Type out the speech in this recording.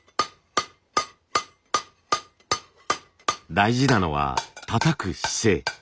大事なのはたたく姿勢。